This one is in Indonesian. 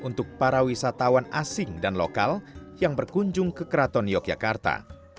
untuk para wisatawan asing dan lokal yang berkunjung ke keraton yogyakarta